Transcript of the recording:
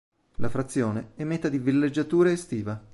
La frazione è meta di villeggiatura estiva.